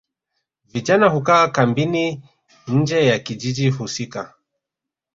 Vijana hukaa kambini nje ya kijiji husika